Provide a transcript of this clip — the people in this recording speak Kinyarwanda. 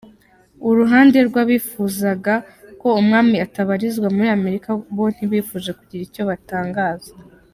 Uruhande rw’abifuzaga ko umwami atabarizwa muri Amerika bo ntibifuje kugira icyo batangaza.